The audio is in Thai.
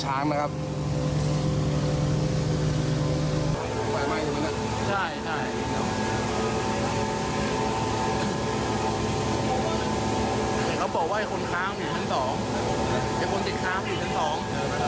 ฮะแกคี้ไปหาตรงเนี้ยมันเป็นโถมน้ำไม่เจอข้าง